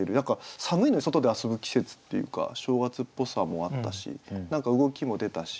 寒いのに外で遊ぶ季節っていうか正月っぽさもあったし何か動きも出たし。